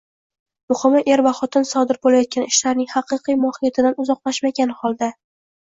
Muhimi, er va xotin sodir bo‘layotgan ishlarning haqiqiy mohiyatidan uzoqlashmagan holda